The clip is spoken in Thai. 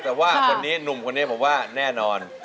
แต่ว่านุ่มคนนี้มันบอกว่าแน่นอน